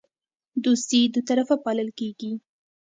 دوستي دوطرفه پالل کیږي